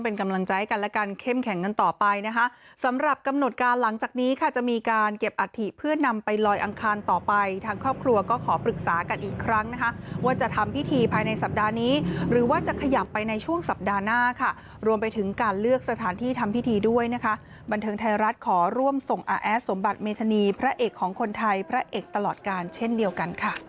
เพราะฉะนั้นในส่วนกำลังใจผมเชื่อว่าคุณแม่ดีขึ้นเยอะ